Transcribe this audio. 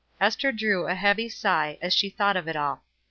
Ester drew a heavy sigh as she thought of it all.